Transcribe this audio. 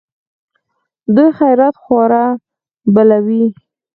دوی خیرات خواره بلوي.